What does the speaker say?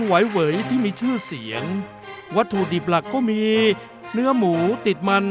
ไหวเวยที่มีชื่อเสียงวัตถุดิบหลักก็มีเนื้อหมูติดมัน